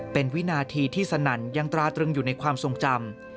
เป็นวินาทีที่สนั่นยังตราตรึงอยู่ในความทรงจำ